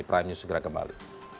prime news segera kembali